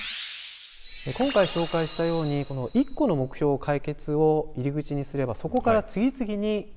今回紹介したようにこの一個の目標解決を入り口にすればそこから次々になるほどね。